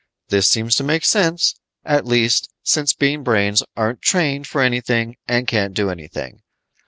This seems to make sense, at least, since Bean Brains aren't trained for anything and can't do anything."